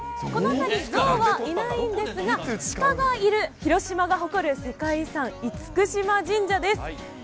この辺り、ゾウはいないんですが、シカがいる、広島が誇る世界遺産、厳島神社です。